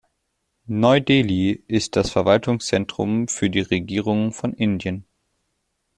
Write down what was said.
Neu-Delhi ist das Verwaltungszentrum für die Regierung von Indien.